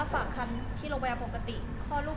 ซาร่ามีลูก